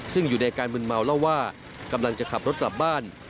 ซึ่งอยู่ในการมึนเมาเล่าว่ากำลังจะขับรถกลับบ้าน